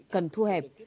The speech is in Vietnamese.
cần thu hẹp